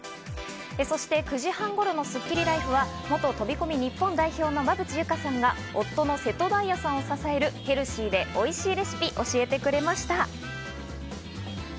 そして９時半頃のスッキリＬＩＦＥは元飛込日本代表の馬淵優佳さんが夫の瀬戸大也さんを支えるヘルシーでおいしいレシピを教えてくれました。